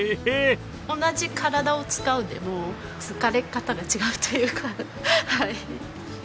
同じ体を使うでも疲れ方が違うというかはい。